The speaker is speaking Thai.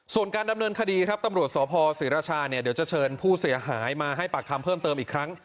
ส่วนการดำเนินคดีครับตำรวจสพศรีราชาเนี่ยเดี๋ยวจะเชิญผู้เสียหายมาให้ปากคำเพิ่มเติมอีกครั้ง